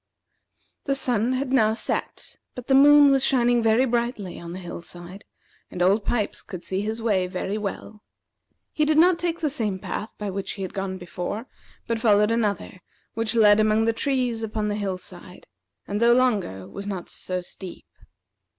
The sun had now set; but the moon was shining very brightly on the hill side, and Old Pipes could see his way very well. He did not take the same path by which he had gone before, but followed another, which led among the trees upon the hill side, and, though longer, was not so steep.